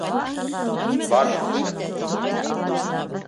Бар шул сәбәп...